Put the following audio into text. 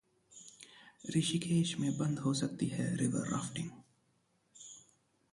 ऋषिकेश में बंद हो सकती है रिवर राफ्टिंग!